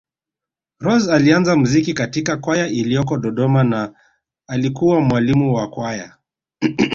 Rose alianza mziki katika kwaya iliyoko Dodoma na alikuwa mwalimu wa Kwaya